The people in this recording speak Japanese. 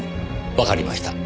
わかりました。